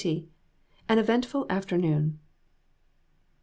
AN EVENTFUL AFTERNOON.